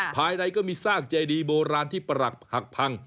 ภายในก็มีซากเจดีโบราณที่ปรักหักพัง